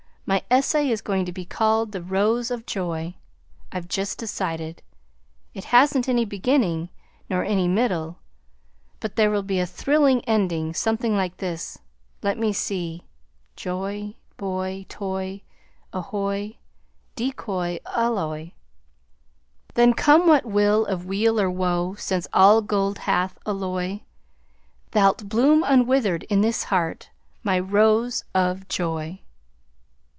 My essay is going to be called The Rose of Joy. I've just decided. It hasn't any beginning, nor any middle, but there will be a thrilling ending, something like this: let me see; joy, boy, toy, ahoy, decoy, alloy: Then come what will of weal or woe (Since all gold hath alloy), Thou 'lt bloom unwithered in this heart, My Rose of Joy!